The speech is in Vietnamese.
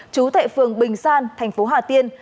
chú tại phường bình san thành phố hòa tiên